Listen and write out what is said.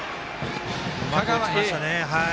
うまく打ちましたね。